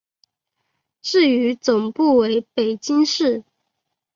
至于总部为北京市。